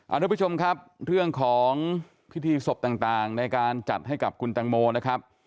ทุกผู้ชมครับเรื่องของพิธีศพต่างในการจัดให้กับคุณตังโมนะครับ